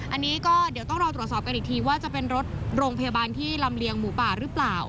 อันนี้ก็เดี๋ยวต้องรอตรวจสอบกันอีกทีว่าจะเป็นรถโรงพยาบาลที่ลำเลียงหมูป่าหรือเปล่า